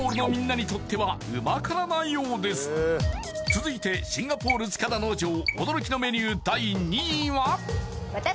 続いてシンガポール塚田農場驚きのメニュー